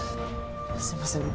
すいません。